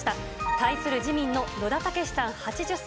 対する自民の野田毅さん８０歳。